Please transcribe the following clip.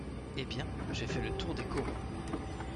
Eh bien, j’ai fait le tour des corons.